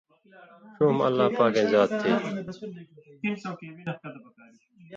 ݜُو ہم اللہ پاکَیں ذات تھی۔